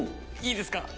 いいですか？